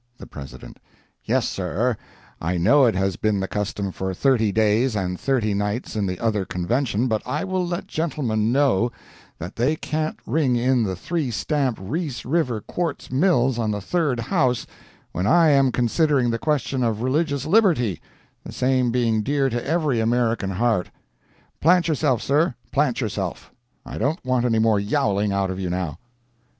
The President—"Yes, sir, I know it has been the custom for thirty days and thirty nights in the other Convention, but I will let gentlemen know that they can't ring in three stamp Reese River quartz mills on the third house when I am considering the question of religious liberty—the same being dear to every American heart. Plant yourself, sir—plant yourself. I don't want any more yowling out of you, now.